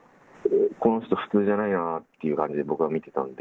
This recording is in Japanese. この人、普通じゃないなという感じで、僕は見てたんで。